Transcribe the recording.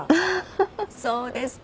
ハハそうですか。